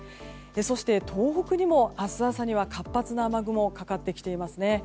そして東北にも明日朝には活発な雨雲がかかってきていますね。